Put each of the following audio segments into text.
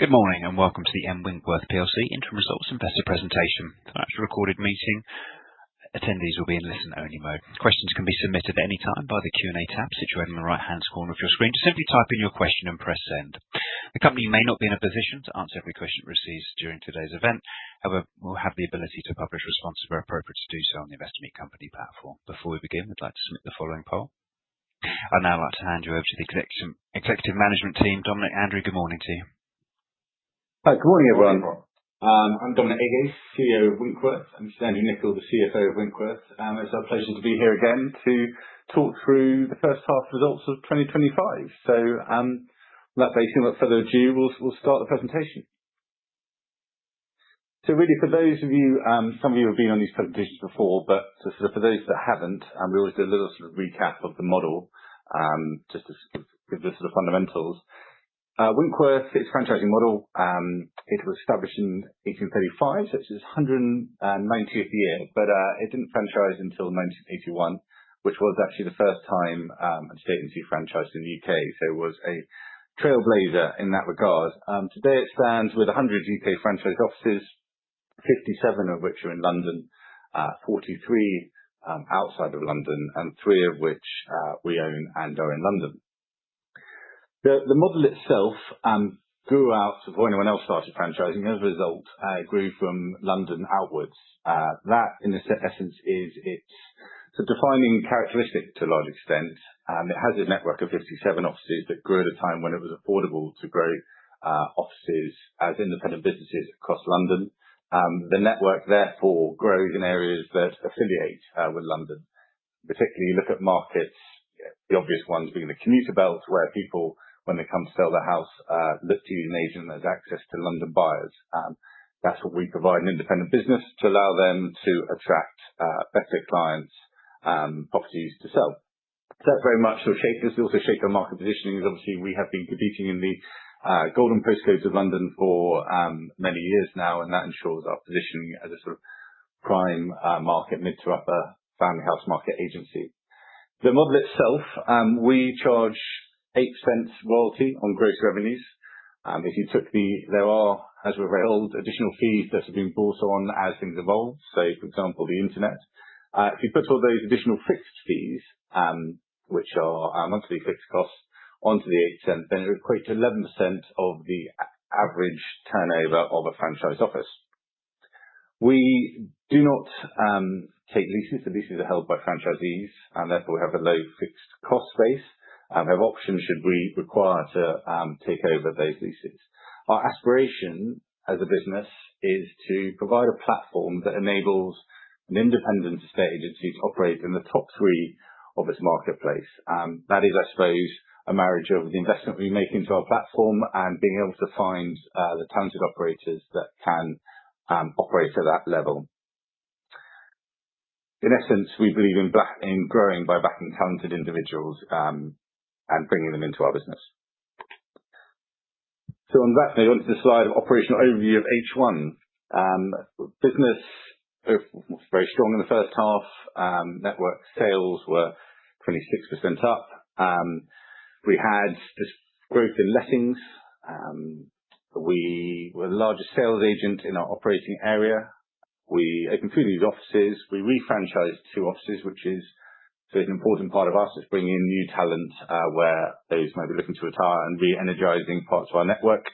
Good morning and welcome to the M Winkworth PLC Interim Results Investor presentation. It's actually a recorded meeting. Attendees will be in listen-only mode. Questions can be submitted at any time by the Q&A tab situated on the right-hand corner of your screen. Just simply type in your question and press send. The company may not be in a position to answer every question it receives during today's event; however, we'll have the ability to publish responses where appropriate to do so on the Investor Meet Company platform. Before we begin, we'd like to submit the following poll. I'd now like to hand you over to the Executive Management Team, Dominic and Andrew. Good morning to you. Good morning, everyone. I'm Dominic Agace, CEO of Winkworth and Andrew Nicol, the CFO of Winkworth. It's our pleasure to be here again to talk through the first half results of 2025. So without further ado, we'll start the presentation. So really, for those of you, some of you have been on these presentations before, but for those that haven't, we always do a little sort of recap of the model just to sort of give the sort of fundamentals. Winkworth, its franchising model, it was established in 1835, so it's its 190th year, but it didn't franchise until 1981, which was actually the first time an estate agency franchised in the U.K.. So it was a trailblazer in that regard. Today, it stands with 100 U.K. franchise offices, 57 of which are in London, 43 outside of London, and three of which we own and are in London. The model itself grew out before anyone else started franchising. As a result, it grew from London outwards. That, in essence, is its defining characteristic to a large extent. It has a network of 57 offices that grew at a time when it was affordable to grow offices as independent businesses across London. The network, therefore, grows in areas that affiliate with London. Particularly, you look at markets, the obvious ones being the commuter belt, where people, when they come to sell their house, look to use an agent that has access to London buyers. That's what we provide an independent business to allow them to attract better clients and properties to sell. So that very much will shape this. We also shape our market positioning. Obviously, we have been competing in the golden postcodes of London for many years now, and that ensures our positioning as a sort of prime market, mid to upper family house market agency. The model itself, we charge 8% royalty on gross revenues. If you took the, there are, as we're very old, additional fees that have been brought on as things evolve. So, for example, the internet. If you put all those additional fixed fees, which are monthly fixed costs, onto the 8%, then it equates to 11% of the average turnover of a franchise office. We do not take leases. The leases are held by franchisees, and therefore we have a low fixed cost space. We have options should we require to take over those leases. Our aspiration as a business is to provide a platform that enables an independent estate agency to operate in the top three of its marketplace. That is, I suppose, a marriage of the investment we make into our platform and being able to find the talented operators that can operate at that level. In essence, we believe in growing by backing talented individuals and bringing them into our business, so on that note, onto the slide of operational overview of H1. Business was very strong in the first half. Network sales were 26% up. We had this growth in lettings. We were the largest sales agent in our operating area. We opened two new offices. We refranchised two offices, which is an important part of us, is bringing in new talent where those might be looking to retire and re-energizing parts of our network.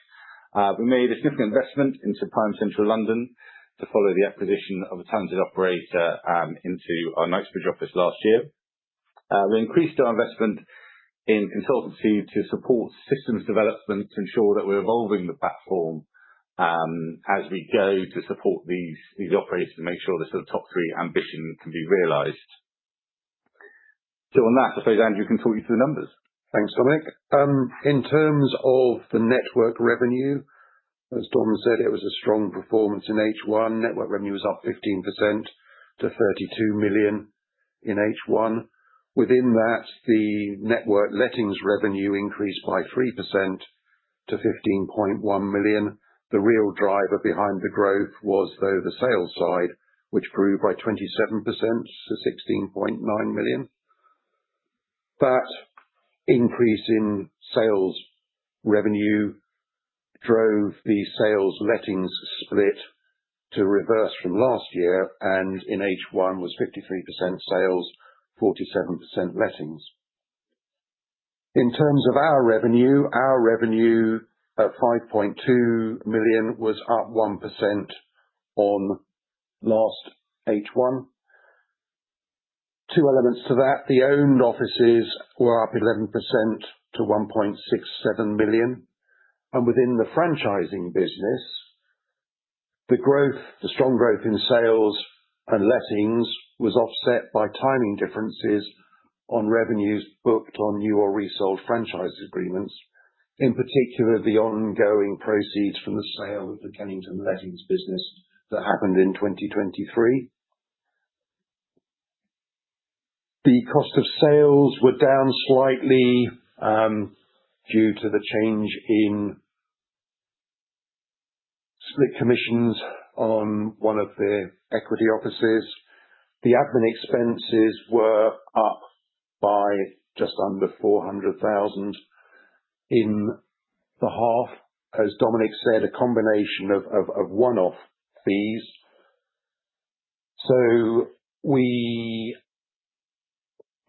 We made a significant investment into Prime Central London to follow the acquisition of a talented operator into our Knightsbridge office last year. We increased our investment in consultancy to support systems development to ensure that we're evolving the platform as we go to support these operators and make sure the sort of top three ambition can be realized. So on that, I suppose Andrew can talk you through the numbers. Thanks, Dominic. In terms of the network revenue, as Dominic said, it was a strong performance in H1. Network revenue was up 15% to 32 million in H1. Within that, the network lettings revenue increased by 3% to 15.1 million. The real driver behind the growth was, though, the sales side, which grew by 27% to 16.9 million. That increase in sales revenue drove the sales lettings split to reverse from last year, and in H1 was 53% sales, 47% lettings. In terms of our revenue, our revenue of 5.2 million was up 1% on last H1. Two elements to that. The owned offices were up 11% to 1.67 million. And within the franchising business, the growth, the strong growth in sales and lettings was offset by timing differences on revenues booked on new or resold franchise agreements, in particular the ongoing proceeds from the sale of the Kennington Lettings business that happened in 2023. The cost of sales were down slightly due to the change in split commissions on one of the equity offices. The admin expenses were up by just under 400,000 in the half, as Dominic said, a combination of one-off fees. So we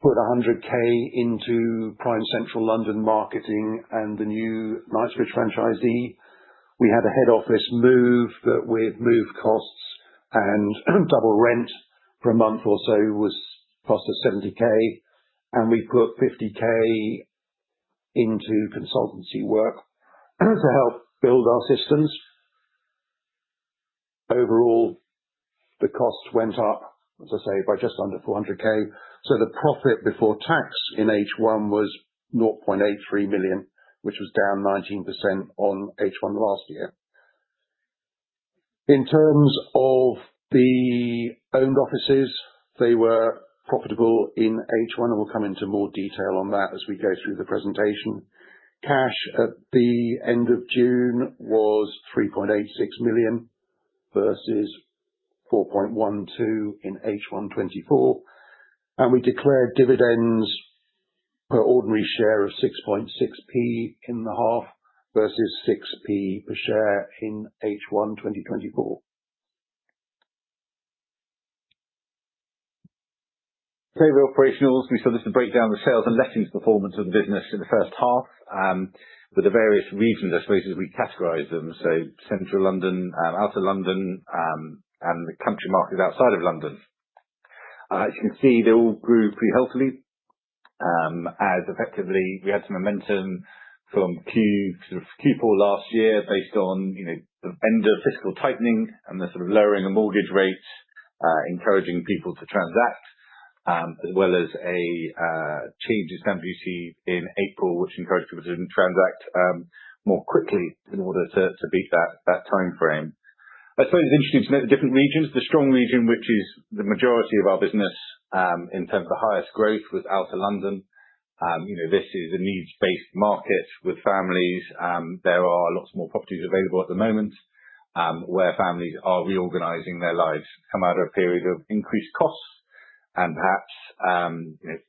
put 100,000 into Prime Central London marketing and the new Knightsbridge franchisee. We had a head office move that with move costs and double rent for a month or so cost us 70,000, and we put 50,000 into consultancy work to help build our systems. Overall, the cost went up, as I say, by just under 400,000. The profit before tax in H1 was 0.83 million, which was down 19% on H1 last year. In terms of the owned offices, they were profitable in H1, and we'll come into more detail on that as we go through the presentation. Cash at the end of June was 3.86 million versus 4.12 million in H1 2024. We declared dividends per ordinary share of 0.066 in the half versus 0.06 per share in H1 2024. Okay, the operationals. We started to break down the sales and lettings performance of the business in the first half with the various regions, I suppose, as we them. Central London, Outer London, and the country market outside of London. As you can see, they all grew pretty healthily as effectively we had some momentum from Q4 last year based on the end of fiscal tightening and the sort of lowering of mortgage rates, encouraging people to transact, as well as a change in Stamp Duty in April, which encouraged people to transact more quickly in order to beat that time frame. I suppose it's interesting to note the different regions. The strong region, which is the majority of our business in terms of the highest growth, Outer London. This is a needs-based market with families. There are lots more properties available at the moment where families are reorganizing their lives, come out of a period of increased costs, and perhaps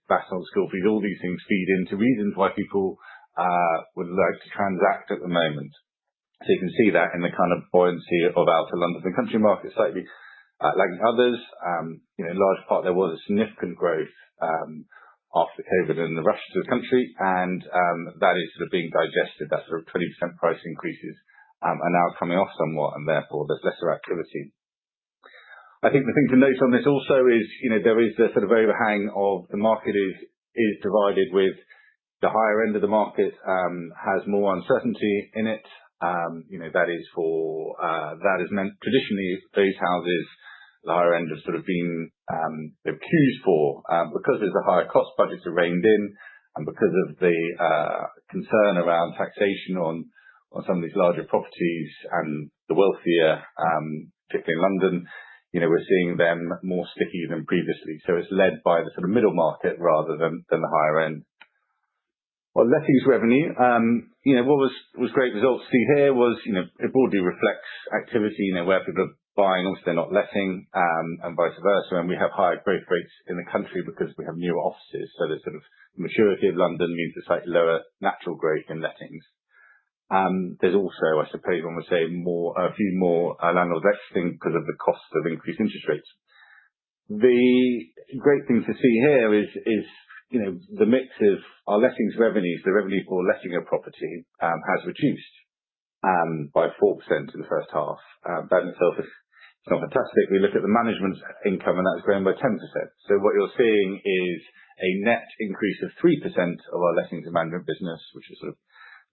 back on school fees. All these things feed into reasons why people would like to transact at the moment. You can see that in the kind of buoyancy Outer London. The country market is slightly lagging others. In large part, there was a significant growth after COVID and the rush to the country, and that is sort of being digested. That sort of 20% price increases are now coming off somewhat, and therefore there's lesser activity. I think the thing to note on this also is there is the sort of overhang of the market is divided with the higher end of the market has more uncertainty in it. That is for that is meant traditionally those houses the higher end have sort of been used for because there's a higher cost budget to rein in and because of the concern around taxation on some of these larger properties and the wealthier, particularly in London, we're seeing them more sticky than previously. So it's led by the sort of middle market rather than the higher end. Well, lettings revenue, what was great results to see here was it broadly reflects activity where people are buying. Obviously, they're not letting and vice versa. And we have higher growth rates in the country because we have newer offices. So the sort of maturity of London means there's slightly lower natural growth in lettings. There's also, I suppose, one would say a few more landlords exiting because of the cost of increased interest rates. The great thing to see here is the mix of our lettings revenues, the revenue for letting a property has reduced by 4% in the first half. That in itself is not fantastic. We look at the management income, and that's grown by 10%. What you're seeing is a net increase of 3% of our lettings and management business, which will sort of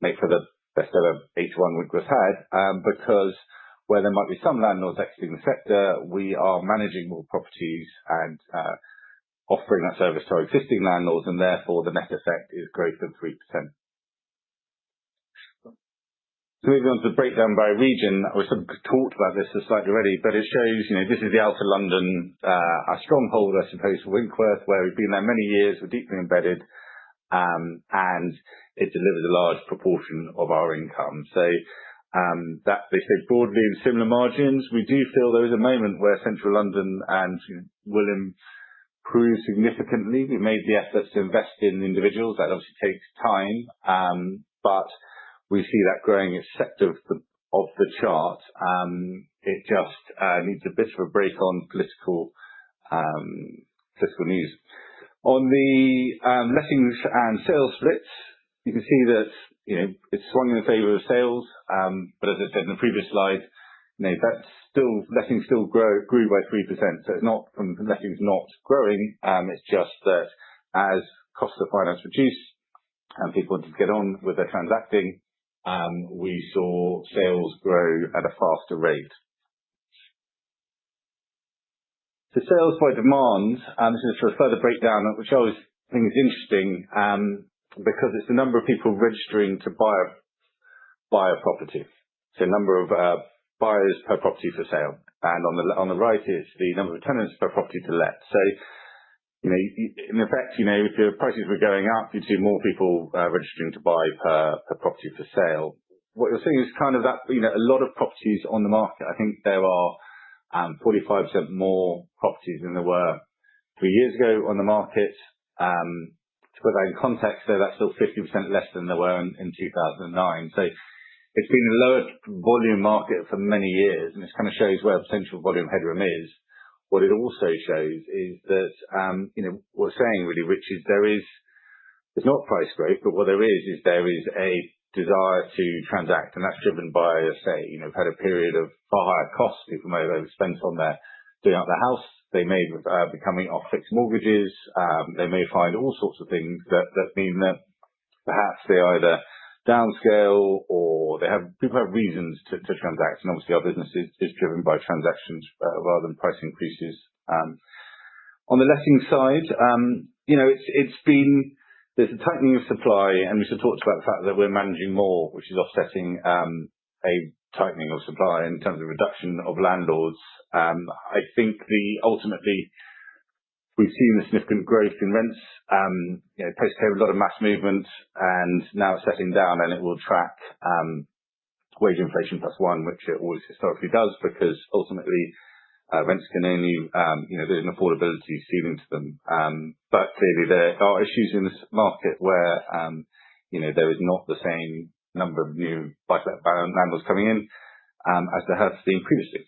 make for the best ever H1 we've had because where there might be some landlords exiting the sector, we are managing more properties and offering that service to our existing landlords, and therefore the net effect is greater than 3%. Moving on to the breakdown by region, we sort of talked about this slightly already, but it shows this is Outer London, our stronghold, I suppose, for Winkworth, where we've been there many years. We're deeply embedded, and it delivers a large proportion of our income. So they say broadly with similar margins. We do feel there is a moment where central London and Wimbledon grew significantly. We made the effort to invest in individuals. That obviously takes time, but we see that growing a sector of the chart. It just needs a bit of a break on political news. On the lettings and sales splits, you can see that it's swung in favor of sales. But as I said in the previous slide, that's still lettings still grew by 3%. So it's not from lettings not growing. It's just that as cost of finance reduced and people wanted to get on with their transacting, we saw sales grow at a faster rate. The sales by demand, this is sort of further breakdown, which I always think is interesting because it's the number of people registering to buy a property. So number of buyers per property for sale. And on the right is the number of tenants per property to let. In effect, if the prices were going up, you'd see more people registering to buy per property for sale. What you're seeing is kind of that a lot of properties on the market. I think there are 45% more properties than there were three years ago on the market. To put that in context, that's still 50% less than there were in 2009. It's been a lower volume market for many years, and it kind of shows where potential volume headroom is. What it also shows is that what we're saying really, which is there is, it's not price growth, but what there is, is there is a desire to transact, and that's driven by, say, we've had a period of far higher cost. People may have spent on their doing up the house. They may be coming off fixed mortgages. They may find all sorts of things that mean that perhaps they either downscale or people have reasons to transact, and obviously, our business is driven by transactions rather than price increases. On the letting side, it's been, there's a tightening of supply, and we should talk about the fact that we're managing more, which is offsetting a tightening of supply in terms of reduction of landlords. I think ultimately, we've seen a significant growth in rents. Post-COVID, a lot of mass movement, and now it's settling down, and it will track wage inflation plus one, which it always historically does because ultimately, rents can only, there's an affordability ceiling to them. But clearly, there are issues in this market where there is not the same number of new buy-to-let landlords coming in as they have seen previously.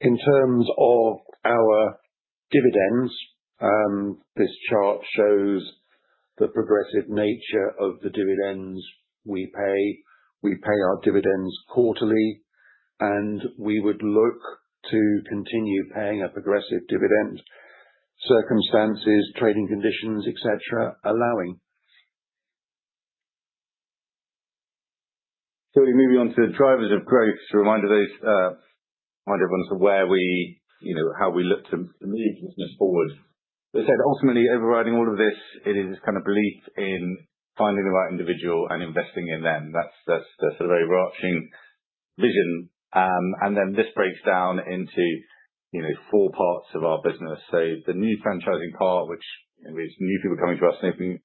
In terms of our dividends, this chart shows the progressive nature of the dividends we pay. We pay our dividends quarterly, and we would look to continue paying a progressive dividend. Circumstances, trading conditions, etc., allowing. So we move on to drivers of growth to remind everyone of where we, how we look to move business forward. As I said, ultimately, overriding all of this, it is this kind of belief in finding the right individual and investing in them. That's a very rich vision. And then this breaks down into four parts of our business. So the new franchising part, which is new people coming to our franchising,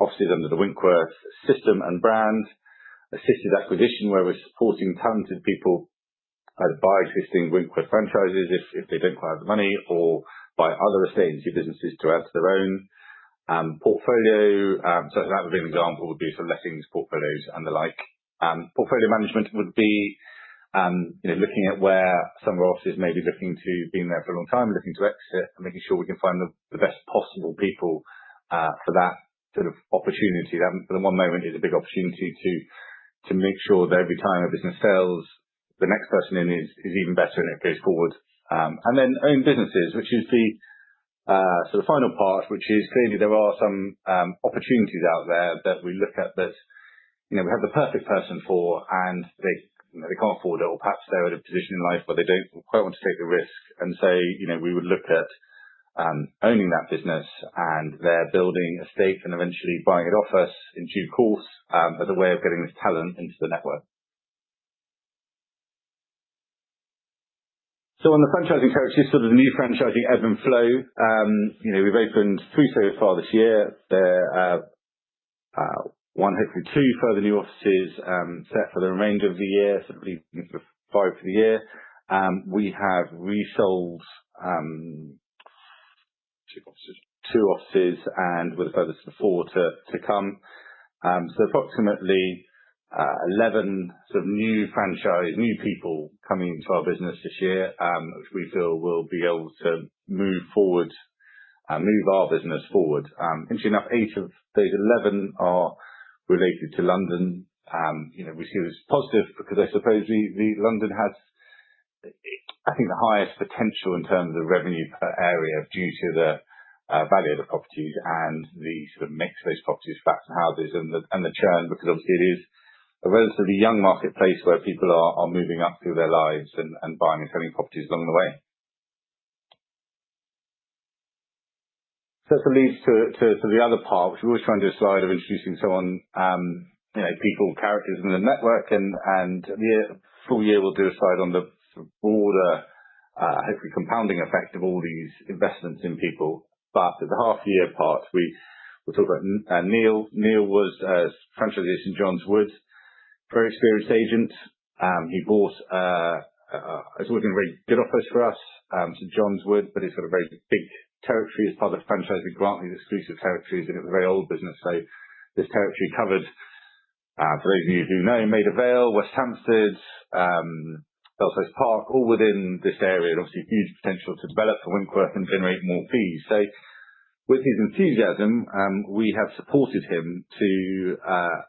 offices under the Winkworth system and brand, assisted acquisition, where we're supporting talented people either buy existing Winkworth franchises if they don't quite have the money or buy other estate agency businesses to add to their own portfolio. So that would be an example, sort of letting portfolios and the like. Portfolio management would be looking at where some of our offices may be looking to being there for a long time, looking to exit, and making sure we can find the best possible people for that sort of opportunity. That, for the one moment, is a big opportunity to make sure that every time a business sells, the next person in is even better and it goes forward, and then own businesses, which is the sort of final part, which is clearly there are some opportunities out there that we look at that we have the perfect person for and they can't afford it, or perhaps they're at a position in life where they don't quite want to take the risk. And so we would look at owning that business and their building estate and eventually buying it off us in due course as a way of getting this talent into the network. So on the franchising territory, sort of the new franchising ebb and flow. We've opened three so far this year. One, hopefully two further new offices set for the remainder of the year, sort of five for the year. We have resold two offices and with a further four to come. So approximately 11 sort of new franchise, new people coming into our business this year, which we feel will be able to move forward, move our business forward. Interesting enough, eight of those 11 are related to London. We see this positive because I suppose London has, I think, the highest potential in terms of revenue per area due to the value of the properties and the sort of mix of those properties, flats and houses, and the churn because obviously it is a relatively young marketplace where people are moving up through their lives and buying and selling properties along the way. That leads to the other part, which we always try and do a slide of introducing some people, characters in the network. The full year will do a slide on the broader, hopefully compounding effect of all these investments in people. The half-year part, we'll talk about Neil. Neil was a franchisee at St John's Wood, very experienced agent. He bought it. It's always been a very good office for us, St John's Wood, but he's got a very big territory as part of the franchise with Grantley's exclusive territories in it with a very old business. This territory covered, for those of you who know, Maida Vale, West Hampstead, Belsize Park, all within this area and obviously huge potential to develop for Winkworth and generate more fees. So with his enthusiasm, we have supported him to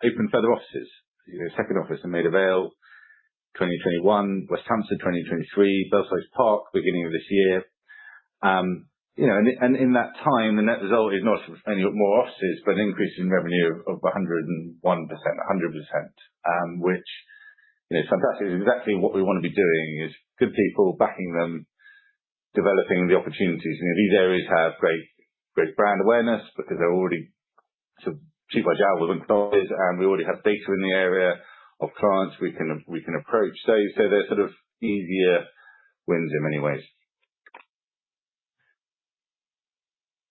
open further offices, second office in Maida Vale 2021, West Hampstead 2023, Belsize Park beginning of this year, and in that time, the net result is not any more offices, but an increase in revenue of 101%, 100%, which is fantastic. It's exactly what we want to be doing is good people backing them, developing the opportunities. These areas have great brand awareness because they're already sort of cheek by jowl with Winkworth, and we already have data in the area of clients we can approach, so they're sort of easier wins in many ways,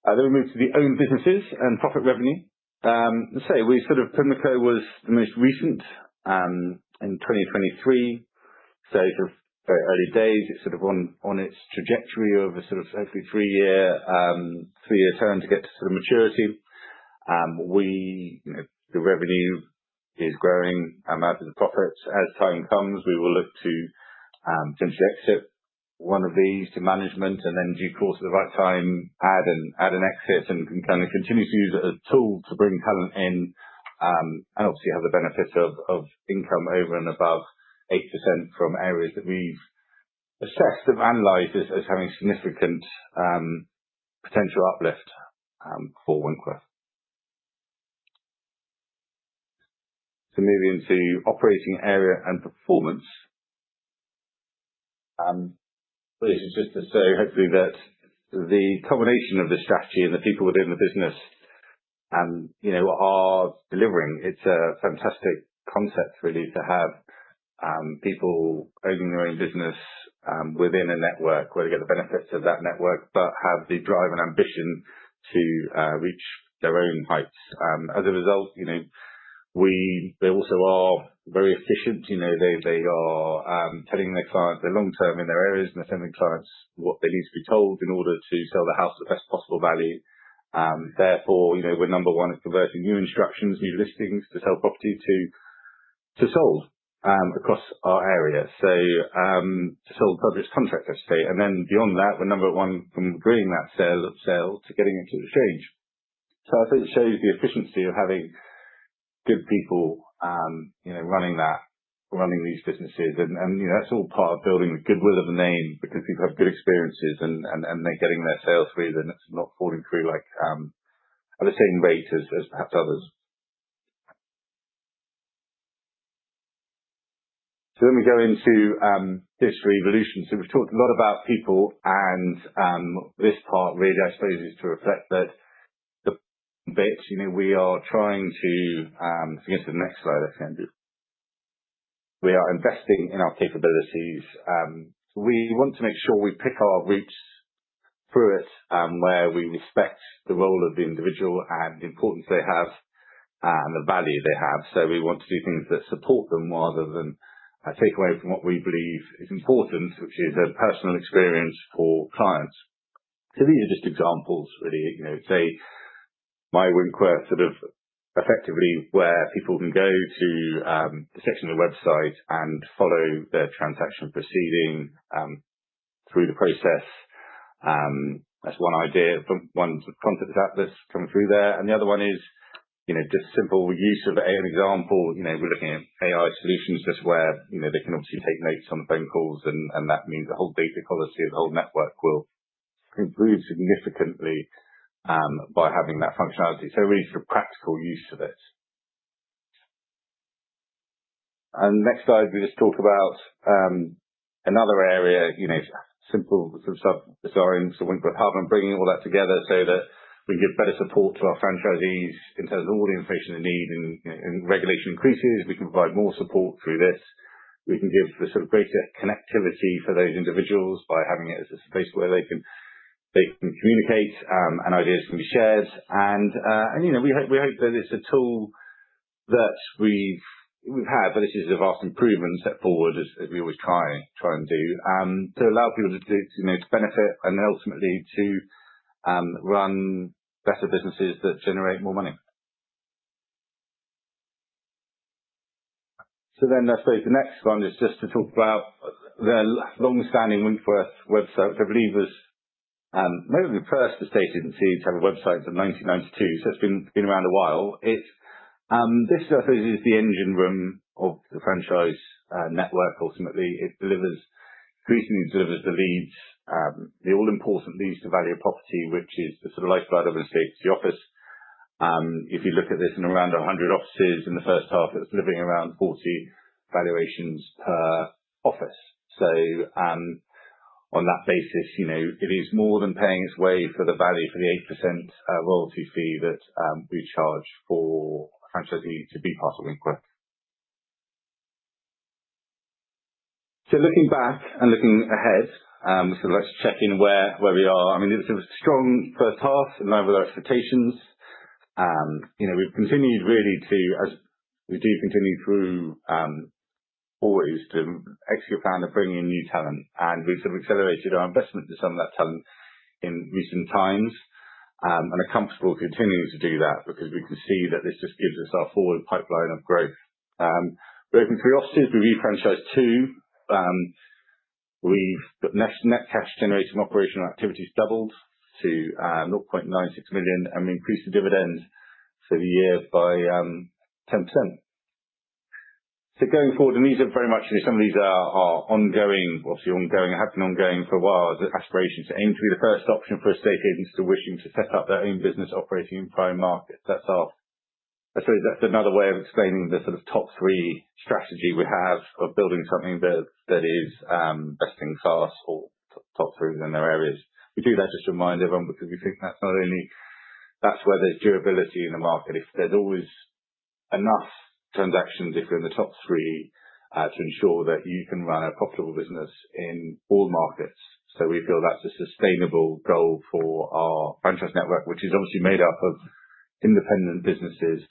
then we move to the owned businesses and profit revenue. Let's say we sort of Pimlico was the most recent in 2023. So sort of very early days, it's sort of on its trajectory of a sort of hopefully three-year term to get to sort of maturity. The revenue is growing out of the profits. As time comes, we will look to potentially exit one of these to management and then due course at the right time, add an exit and kind of continue to use it as a tool to bring talent in and obviously have the benefit of income over and above 8% from areas that we've assessed and analyzed as having significant potential uplift for Winkworth. So moving to operating area and performance. This is just to say hopefully that the combination of the strategy and the people within the business are delivering. It's a fantastic concept really to have people owning their own business within a network where they get the benefits of that network, but have the drive and ambition to reach their own heights. As a result, they also are very efficient. They are telling their clients they're long-term in their areas and they're telling clients what they need to be told in order to sell the house at the best possible value. Therefore, we're number one at converting new instructions, new listings to sell property to sold across our area, so sold subject to contract, I should say, and then beyond that, we're number one from agreeing that sale to getting it to exchange, so I think it shows the efficiency of having good people running these businesses. That's all part of building the goodwill of the name because people have good experiences and they're getting their sales through them and it's not falling through at the same rate as perhaps others. Then we go into this revolution. We've talked a lot about people and this part really, I suppose, is to reflect that the bit, we are trying to, if we go to the next slide, I think, we are investing in our capabilities. We want to make sure we pick our routes through it where we respect the role of the individual and the importance they have and the value they have. We want to do things that support them rather than take away from what we believe is important, which is a personal experience for clients. These are just examples really. Say MyWinkworth sort of effectively where people can go to the section of the website and follow their transaction proceeding through the process. That's one idea. One concept is that this comes through there, and the other one is just simple use of an example. We're looking at AI solutions just where they can obviously take notes on the phone calls and that means the whole data quality of the whole network will improve significantly by having that functionality, so really sort of practical use of it, and next slide we just talk about another area, simple sort of design, so Winkworth Hub and bringing all that together so that we give better support to our franchisees in terms of all the information they need and regulation increases, we can provide more support through this. We can give the sort of greater connectivity for those individuals by having it as a space where they can communicate and ideas can be shared. And we hope that it's a tool that we've had, but this is a vast improvement set forward as we always try and do to allow people to benefit and then ultimately to run better businesses that generate more money. So then I suppose the next one is just to talk about the long-standing Winkworth website, which I believe was maybe the first estate agency to have a website in 1992. So it's been around a while. This is, I suppose, the engine room of the franchise network ultimately. It increasingly delivers the leads, the all-important leads to value property, which is the sort of lifeblood of an estate agency office. If you look at this in around 100 offices in the first half, it's delivering around 40 valuations per office. So on that basis, it is more than paying its way for the value for the 8% royalty fee that we charge for a franchisee to be part of Winkworth. So looking back and looking ahead, we sort of like to check in where we are. I mean, it's a strong first half in line with our expectations. We've continued really to, as we do continue through always to execute plan of bringing in new talent, and we've sort of accelerated our investment in some of that talent in recent times, and are comfortable continuing to do that because we can see that this just gives us our forward pipeline of growth. We're open to new offices. We refranchise two. We've got net cash generating operational activities doubled to 0.96 million. And we increased the dividend for the year by 10%. So going forward, and these are very much, some of these are ongoing, obviously ongoing, have been ongoing for a while, aspirations to aim to be the first option for estate agents to wishing to set up their own business operating in prime markets. That's our, I suppose, that's another way of explaining the sort of top three strategy we have of building something that is best in class or top three within their areas. We do that just to remind everyone because we think that's not only, that's where there's durability in the market. There's always enough transactions if you're in the top three to ensure that you can run a profitable business in all markets. So we feel that's a sustainable goal for our franchise network, which is obviously made up of independent businesses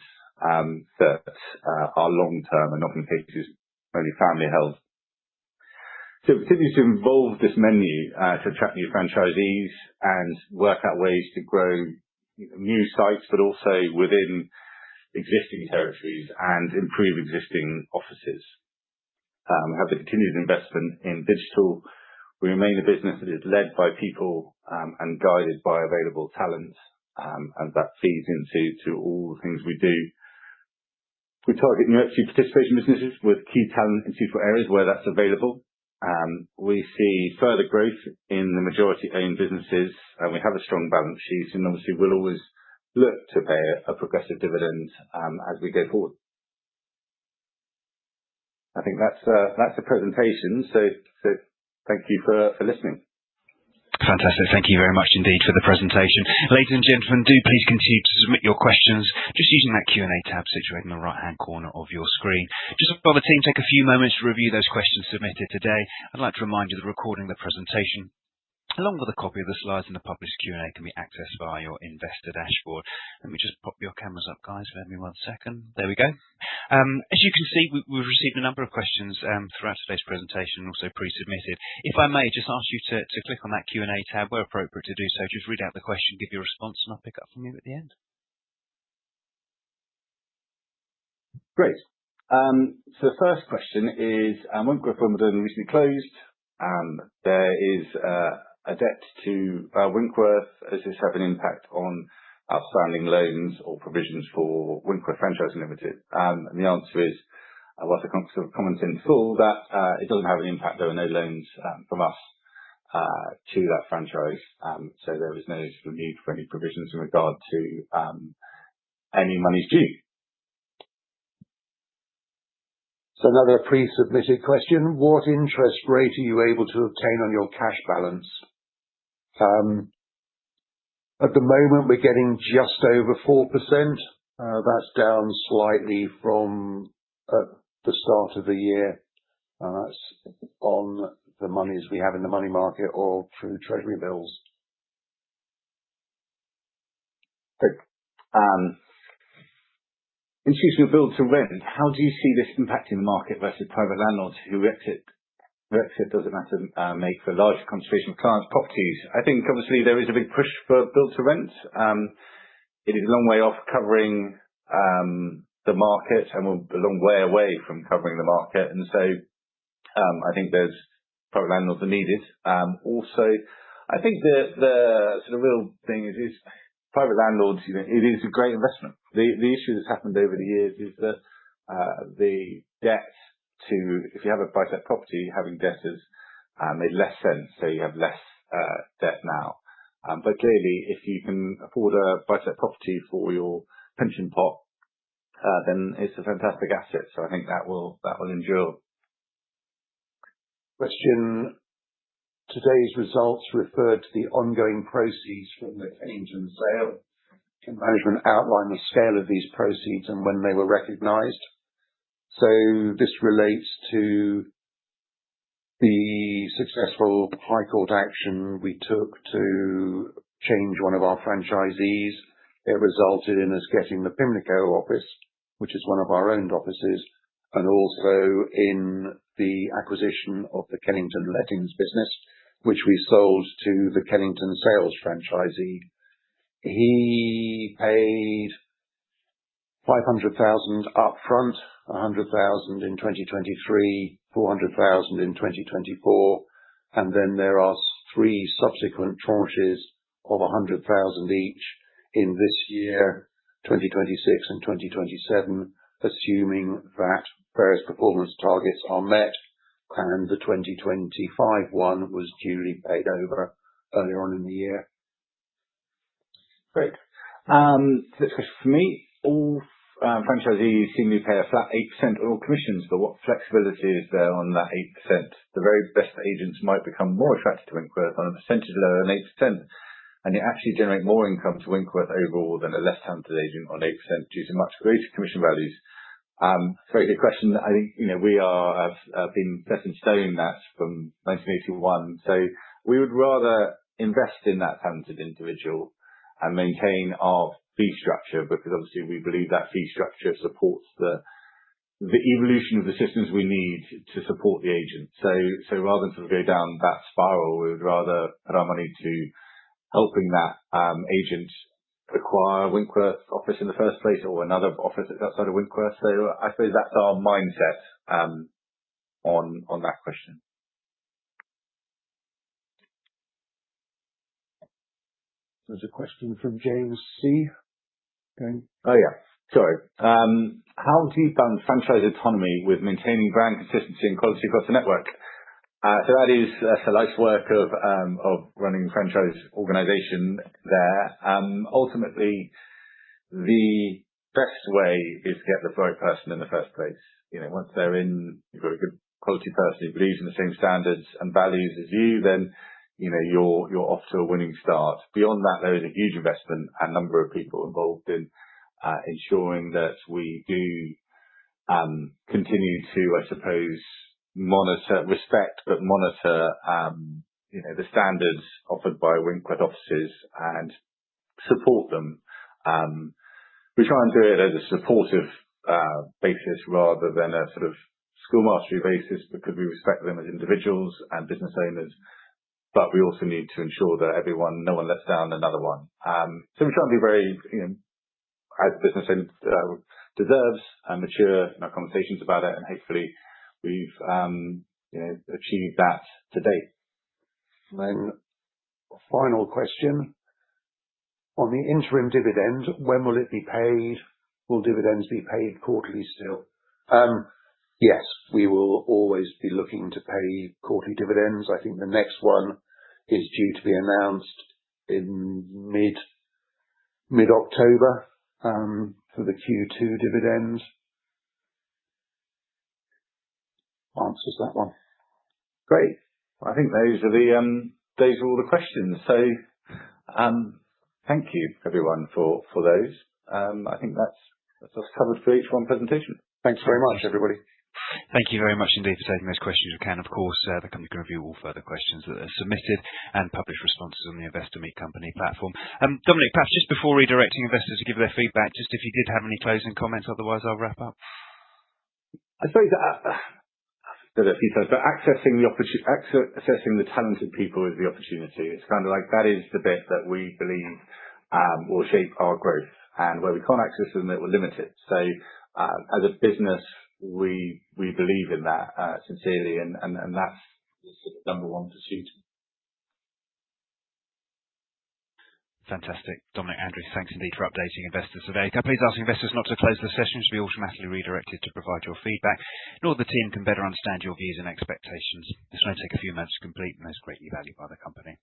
that are long-term and, in many cases, only family-held. We continue to evolve this menu to attract new franchisees and work out ways to grow new sites, but also within existing territories and improve existing offices. We have the continued investment in digital. We remain a business that is led by people and guided by available talent. And that feeds into all the things we do. We target new equity participation businesses with key talent in key areas where that's available. We see further growth in the majority-owned businesses. And we have a strong balance sheet. And obviously, we'll always look to pay a progressive dividend as we go forward. I think that's the presentation. So thank you for listening. Fantastic. Thank you very much indeed for the presentation. Ladies and gentlemen, do please continue to submit your questions just using that Q&A tab situated in the right-hand corner of your screen. Just while the team take a few moments to review those questions submitted today, I'd like to remind you that the recording of the presentation, along with a copy of the slides and the published Q&A, can be accessed via your investor dashboard. Let me just pop your cameras up, guys. Bear with me one second. There we go. As you can see, we've received a number of questions throughout today's presentation, also pre-submitted. If I may, just ask you to click on that Q&A tab where appropriate to do so. Just read out the question, give your response, and I'll pick up from you at the end. Great. So the first question is, Winkworth Wimbledon recently closed. There is a debt to Winkworth. Does this have an impact on outstanding loans or provisions for Winkworth Franchising Limited? And the answer is, whilst the conference comments in full, that it doesn't have an impact, there are no loans from us to that franchise. So there is no sort of need for any provisions in regard to any money's due. So another pre-submitted question. What interest rate are you able to obtain on your cash balance? At the moment, we're getting just over 4%. That's down slightly from the start of the year. That's on the money as we have in the money market or through Treasury bills. Excuse me, Build to Rent. How do you see this impacting the market versus private landlords who exit? Does it matter make a large concentration of clients' properties? I think obviously there is a big push for Build to Rent. It is a long way off covering the market and we're a long way away from covering the market, and so I think there's private landlords that need it. Also, I think the sort of real thing is private landlords, it is a great investment. The issue that's happened over the years is that the debt too, if you have a buy-to-let property, having debt has made less sense. So you have less debt now. But clearly, if you can afford a buy-to-let property for your pension pot, then it's a fantastic asset. So I think that will endure. Question. Today's results referred to the ongoing proceeds from the change in the sale. Can management outline the scale of these proceeds and when they were recognized? So this relates to the successful High Court action we took to change one of our franchisees. It resulted in us getting the Pimlico office, which is one of our owned offices, and also in the acquisition of the Kennington Lettings business, which we sold to the Kennington Sales franchisee. He paid 500,000 upfront, 100,000 in 2023, 400,000 in 2024. And then there are three subsequent tranches of 100,000 each in this year, 2026 and 2027, assuming that various performance targets are met and the 2025 one was duly paid over earlier on in the year. Great. Next question for me. All franchisees seem to pay a flat 8% or commissions, but what flexibility is there on that 8%? The very best agents might become more attractive to Winkworth on a percentage lower than 8%. And you actually generate more income to Winkworth overall than a less talented agent on 8% due to much greater commission values. It's a very good question. I think we have been set in stone that from 1981. So we would rather invest in that talented individual and maintain our fee structure because obviously we believe that fee structure supports the evolution of the systems we need to support the agent. So rather than sort of go down that spiral, we would rather put our money to helping that agent acquire Winkworth's office in the first place or another office outside of Winkworth. So I suppose that's our mindset on that question. There's a question from James C. Oh, yeah. Sorry. How do you balance franchise autonomy with maintaining brand consistency and quality across the network? So that is a life's work of running franchise organization there. Ultimately, the best way is to get the right person in the first place. Once they're in, you've got a good quality person who believes in the same standards and values as you, then you're off to a winning start. Beyond that, there is a huge investment and number of people involved in ensuring that we do continue to, I suppose, respect, but monitor the standards offered by Winkworth offices and support them. We try and do it as a supportive basis rather than a sort of school mastery basis because we respect them as individuals and business owners. But we also need to ensure that no one lets down another one. So we try and be very, as the business deserves, mature in our conversations about it. And hopefully, we've achieved that today. Final question. On the interim dividend, when will it be paid? Will dividends be paid quarterly still? Yes, we will always be looking to pay quarterly dividends. I think the next one is due to be announced in mid-October for the Q2 dividend. Answers that one. Great. I think those are all the questions. So thank you, everyone, for those. I think that's covered for each one presentation. Thanks very much, everybody. Thank you very much indeed for taking those questions, you can. Of course, the company can review all further questions that are submitted and publish responses on the Investor Meet Company platform. Dominic, perhaps just before redirecting investors to give their feedback, just if you did have any closing comments, otherwise I'll wrap up. I suppose there's a few things, but accessing the talented people is the opportunity. It's kind of like that is the bit that we believe will shape our growth and where we can't access them that we're limited. So as a business, we believe in that sincerely, and that's the number one pursuit. Fantastic. Dominic Agace, thanks indeed for updating investors today. We're asking investors not to close the session; you should be automatically redirected to provide your feedback. So the team can better understand your views and expectations. This will only take a few minutes to complete and is greatly valued by the company.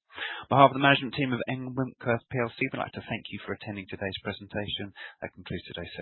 On behalf of the management team of M Winkworth PLC, we'd like to thank you for attending today's presentation. That concludes today's.